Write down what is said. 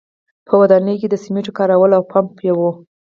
په ودانیو کې د سیمنټو کارول او پمپ یې و